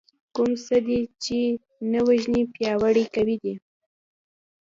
کوم څه دې چې نه وژنې پياوړي کوي دی .